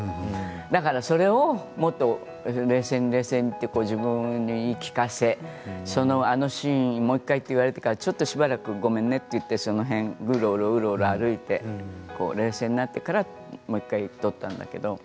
だからそれを冷静冷静にと自分に言い聞かせあのシーンをもう１回と言われてしばらく、ごめんねと言ってその辺をうろうろ歩いて冷静になってからもう１回撮ったんだけど。